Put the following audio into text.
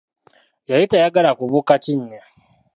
Yali tayagala kubuuka kinnya.